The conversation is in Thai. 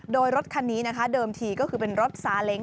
โดยรถคันนี้นะคะเดิมทีก็คือเป็นรถซาเล้ง